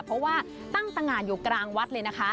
เพราะว่าตั้งตะงานอยู่กลางวัดเลยนะคะ